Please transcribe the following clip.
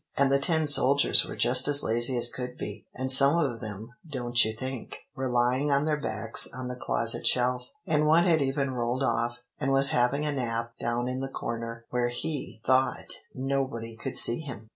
And the tin soldiers were just as lazy as could be; and some of them, don't you think, were lying on their backs on the closet shelf; and one had even rolled off, and was having a nap down in the corner where he thought nobody could see him."